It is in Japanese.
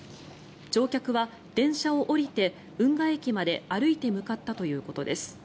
乗客は電車を降りて運河駅まで歩いて向かったということです。